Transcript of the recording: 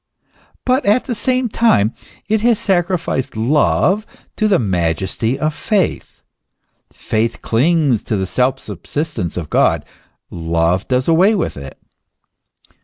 But at the same time it has sacri ficed love to the majesty of faith. Faith clings to the self sub sistence of God ; love does away with it.